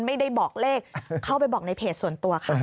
ไม่ได้บอกเลขเข้าไปบอกในเพจส่วนตัวค่ะ